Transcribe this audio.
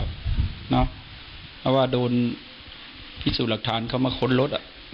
เพราะว่าโดนพิสูจน์หลักฐานเข้ามาค้นรถ